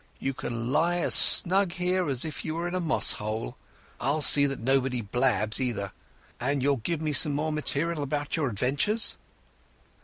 "You can lie as snug here as if you were in a moss hole. I'll see that nobody blabs, either. And you'll give me some more material about your adventures?"